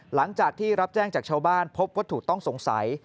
หลังจากที่รับแจ้งจากชาวบ้านพบวัตถุต้องสงสัย